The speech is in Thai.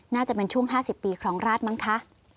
น่าจะเป็นช่วง๕๐ปีครองราชมั้งคะ